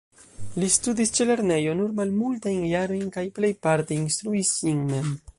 Li studis ĉe lernejo nur malmultajn jarojn, kaj plejparte instruis sin mem.